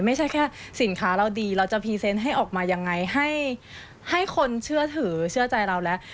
ไม่ใช่แค่สินค้าเราดีเราจะพรีเซนต์ให้ออกมายังไงให้คนเชื่อถือเชื่อใจเราแล้ว